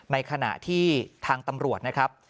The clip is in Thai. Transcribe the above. ในขณะที่ทางตำรวจนะครับ